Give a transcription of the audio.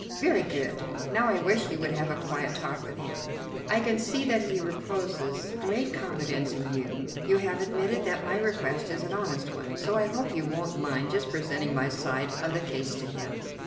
"Very good. Now, I wish you would have a quiet talk with him. I can see that he reposes great confidence in you. You have admitted that my request is an honest one, so I hope you won't mind just presenting my side of the case to him."